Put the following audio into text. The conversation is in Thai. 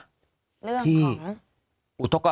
เรื่องของ